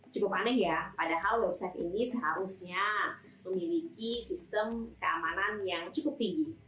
cukup aneh ya padahal website ini seharusnya memiliki sistem keamanan yang cukup tinggi